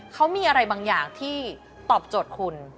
เขามีอะไรบางอย่างที่ตอบโจทย์คุณ